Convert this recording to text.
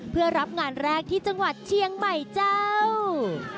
เพื่อรับงานแรกที่จังหวัดเชียงใหม่เจ้า